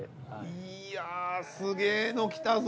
いやぁすげぇのきたぞ。